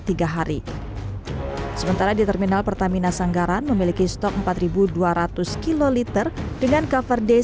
tiga hari sementara di terminal pertamina sanggaran memiliki stok empat ribu dua ratus kiloliter dengan cover day